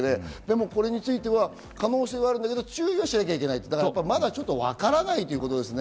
これについては可能性があるということで注意はしなきゃいけない、まだちょっとわからないということですね。